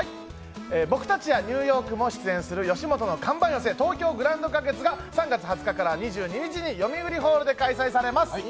僕たちやニューヨークも出演する吉本の看板寄席東京グランド花月が３月２０日から２２日によみうりホールで開催されます。